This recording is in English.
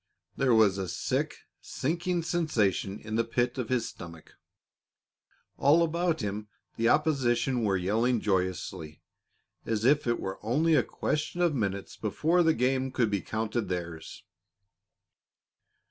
There was a sick, sinking sensation in the pit of his stomach. All about him the opposition were yelling joyously as if it were only a question of minutes before the game could be counted theirs.